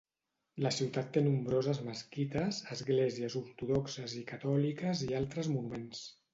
La ciutat té nombroses mesquites, esglésies ortodoxes i catòliques i altres monuments.